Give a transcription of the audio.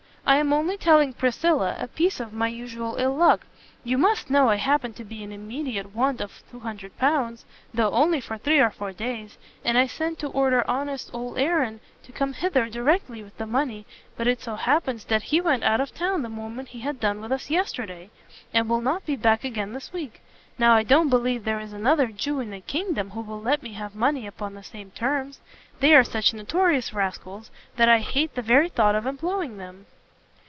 I am only telling Priscilla a piece of my usual ill luck. You must know I happen to be in immediate want of L200, though only for three or four days, and I sent to order honest old Aaron to come hither directly with the money, but it so happens that he went out of town the moment he had done with us yesterday, and will not be back again this week. Now I don't believe there is another Jew in the kingdom who will let me have money upon the same terms; they are such notorious rascals, that I hate the very thought of employing them."